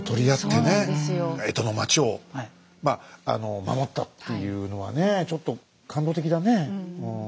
そうなんですよ江戸の町を守ったっていうのはねちょっと感動的だね。